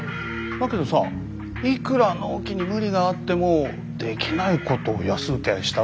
だけどさいくら納期に無理があってもできないことを安請け合いしたわけだし。